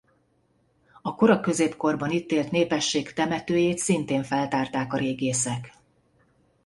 A kora középkorban itt élt népesség temetőjét szintén feltárták a régészek.